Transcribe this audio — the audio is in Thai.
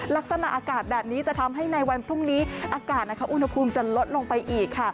ลักษณะอากาศแบบนี้จะทำให้ในวันพรุ่งนี้อากาศอุณหภูมิจะลดลงไปอีกค่ะ